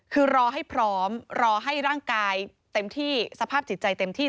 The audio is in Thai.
คือรอให้พร้อมรอให้ร่างกายเต็มที่สภาพจิตใจเต็มที่